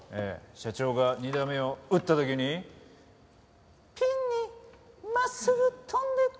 社長が２打目を打った時に「ピンに真っすぐ飛んでいったわ」。